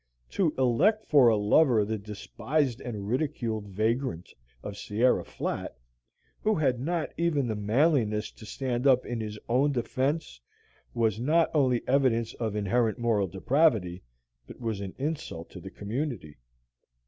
To elect for a lover the despised and ridiculed vagrant of Sierra Flat, who had not even the manliness to stand up in his own defence, was not only evidence of inherent moral depravity, but was an insult to the community.